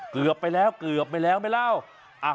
เกือบไปแล้วเกือบไปแล้วไหมเล่า